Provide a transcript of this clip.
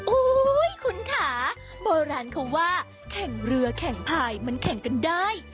อุ้ยคุณค่ะโบราณเขาว่าแข่งเรือแข่งพายมันแข่งกันได้